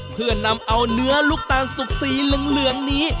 เพื่อนำเอาเนื้อลูกตาลสุกสีเหลืองนี้